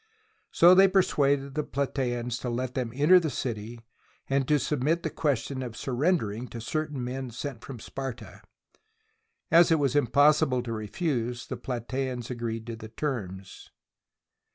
So they persuad ed the Platseans to let them enter the city and to THE SIEGE OF PLAT.EA submit the question of surrendering to certain men sent from Sparta. As it was impossible to refuse, the Platseans agreed to the terms.